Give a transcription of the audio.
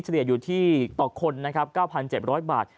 เฉลี่ยอยู่ที่ต่อคน๙๗๐๐บาท